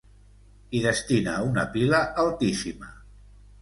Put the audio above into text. Hi destina una pila altíssima.